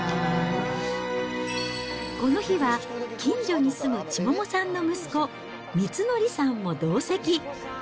この日は、近所に住む千桃さんの息子、光記さんも同席。